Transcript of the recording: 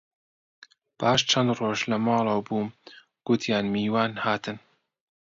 پاش چەند ڕۆژ لە ماڵەوە بووم، گوتیان میوان هاتن